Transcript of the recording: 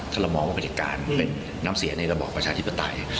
ถ้าเรามองว่าประเด็จการเป็นน้ำเสียในระบอบประชาธิปไตย